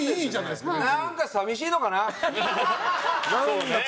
何か寂しいのかな？